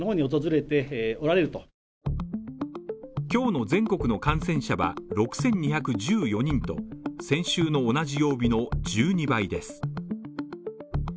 今日の全国の感染者は６２１４人と、先週の同じ曜日の１２倍です。